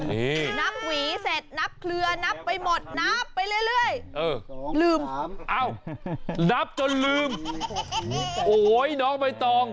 น้ำหวี่เสร็จนับเวลานับไปหมดนับไปเรื่อยเหลืมนับจนลืมโอ๊ยน้อไปต่อ